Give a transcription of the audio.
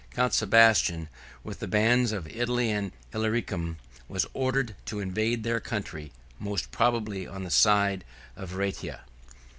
Count Sebastian, with the bands of Italy and Illyricum, was ordered to invade their country, most probably on the side of Rhætia.